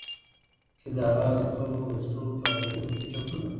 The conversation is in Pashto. اداره د خلکو د ستونزو اورېدلو ته چمتو ده.